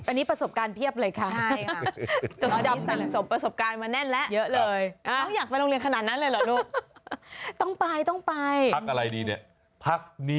อันนี้ประสบการณ์เพียบเลยค่ะ